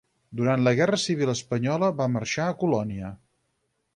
Durant la guerra civil espanyola va marxar a Colònia.